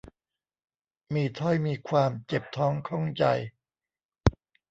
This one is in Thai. มีถ้อย มีความ เจ็บท้องข้องใจ